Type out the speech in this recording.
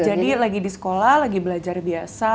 jadi lagi di sekolah lagi belajar biasa